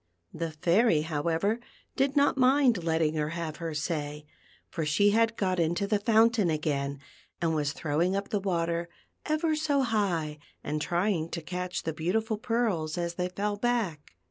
The Fairy, however, did not mind letting her have her say ; for she had got into the fountain again, and was throwing up the water ever so high, and trying to catch the beautiful pearls as they fell back.